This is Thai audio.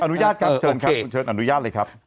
อนุญาตครับเชิญครับอนุญาตเลยครับ